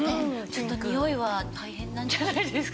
ちょっとにおいは大変なんじゃないんですか？